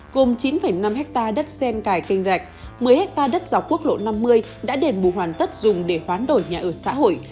gồm chín năm ha đất sen cải kênh rạch một mươi ha đất dọc quốc lộ năm mươi đã đền bù hoàn tất dùng để hoán đổi nhà ở xã hội